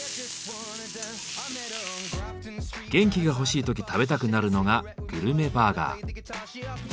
元気が欲しい時食べたくなるのがグルメバーガー。